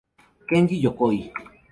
Kenji Yokoi